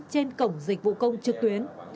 trên cổng dịch vụ công trực tuyến